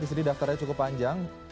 di sini daftarnya cukup panjang